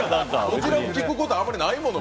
こちらも聞くことあんまりないもん。